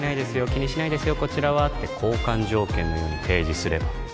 気にしないですよこちらはって交換条件のように提示すれば